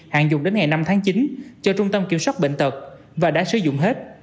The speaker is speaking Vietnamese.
hạn dùng đến ngày năm tháng chín cho trung tâm kiểm soát bệnh tật và đã sử dụng hết